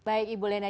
baik ibu lena